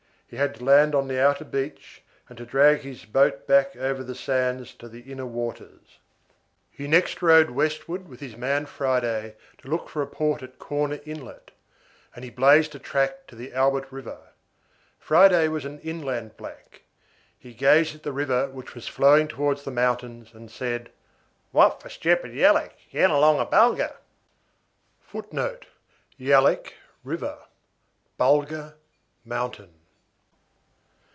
He had to land on the outer beach, and to drag his boat back over the sands to the inner waters. He next rode westward with his man Friday to look for a port at Corner Inlet, and he blazed a track to the Albert River. Friday was an inland black. He gazed at the river, which was flowing towards the mountains, and said: "What for stupid yallock* yan along a bulga?" [* Footnote: *Yallock, river. Bulga, mountain.